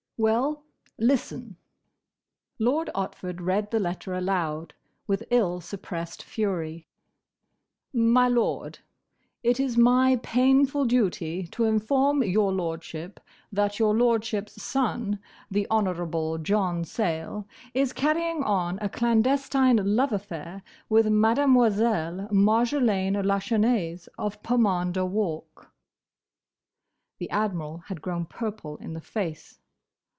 "Well, listen." Lord Otford read the letter aloud, with ill suppressed fury.—"'My lord—It is my painful duty to inform your Lordship that your Lordship's son, the Hon. John Sayle, is carrying on a clandestine love affair with Mademoiselle Marjolaine Lachesnais, of Pomander Walk—'" The Admiral had grown purple in the face.